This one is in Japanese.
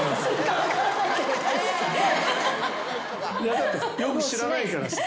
だってよく知らないから。